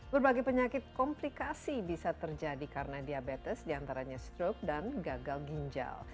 berbagai penyakit komplikasi bisa terjadi karena diabetes diantaranya stroke dan gagal ginjal